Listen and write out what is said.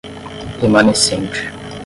remanescente